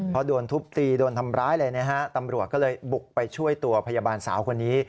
เพราะโดนทุบตีโดนทำร้ายเลยนะฮะตำรวจก็เลยบุกไปช่วยตัวพยาบาลสาวคนนี้